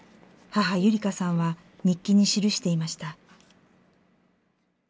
母ゆりかさんは日記に記していました。